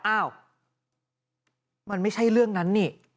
อ้าวมันไม่ใช่เรื่องนั้นนี่